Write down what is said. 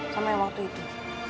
sama yang waktu itu